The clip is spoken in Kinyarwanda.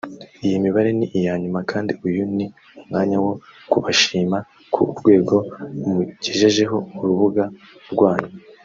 Iyi mibare ni iyanyu kandi uyu ni umwanya wo kubashima ku rwego mugejejeho urubuga rwanyu